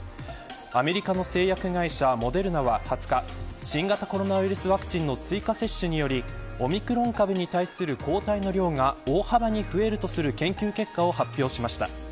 アメリカの製薬会社モデルナは２０日新型コロナウイルスワクチンの追加接種によりオミクロン株に対する抗体の量が大幅に増えるとする研究結果を発表しました。